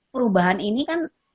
perubahan ini kan